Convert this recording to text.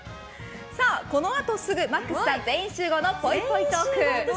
このあとすぐＭＡＸさん全員集合のぽいぽいトーク。